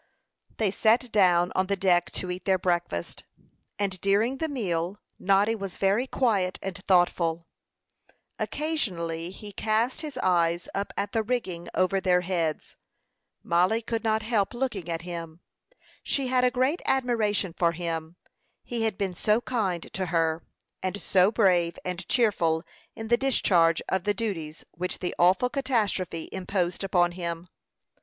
They sat down on the deck to eat their breakfast; and during the meal Noddy was very quiet and thoughtful. Occasionally he cast his eyes up at the rigging over their heads. Mollie could not help looking at him. She had a great admiration for him; he had been so kind to her, and so brave and cheerful in the discharge of the duties which the awful catastrophe imposed upon him.